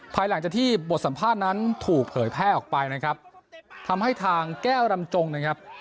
ภายหลังจากที่บทสัมภาษณ์นั้นถูกเผยแพร่ออกไปนะครับทำให้ทางแก้วรำจงนะครับ